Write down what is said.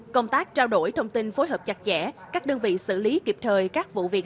công tác trao đổi thông tin phối hợp chặt chẽ các đơn vị xử lý kịp thời các vụ việc